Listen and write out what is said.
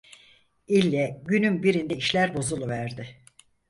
İlle günün birinde işler bozuluverdi.